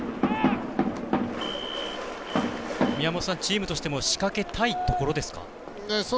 宮本さん、チームとしても仕掛けたいところですか？